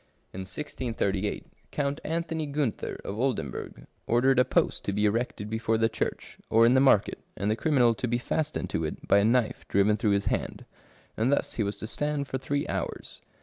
In 1638, Count Anthony Gunter of Oldenburg ordered a post to be erected before the church, or in the market, and the criminal to be fastened to it by a knife driven through his hand ; and thus he was to stand for three hours.